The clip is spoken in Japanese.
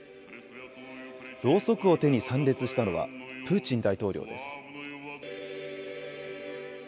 ろうそくを手に参列したのは、プーチン大統領です。